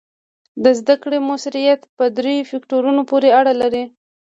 د زده کړې مؤثریت په دریو فکتورونو پورې اړه لري.